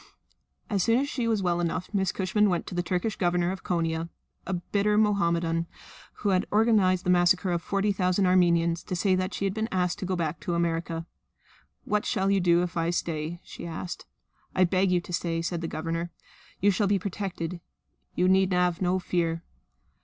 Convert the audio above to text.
As soon as she was well enough Miss Cushman went to the Turkish Governor of Konia, a bitter Mohammedan who had organised the massacre of forty thousand Armenians, to say that she had been asked to go back to America. "What shall you do if I stay?" she asked. "I beg you to stay," said the Governor. "You shall be protected. You need have no fear."